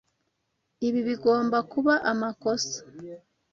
Ibi bigomba kuba amakosa.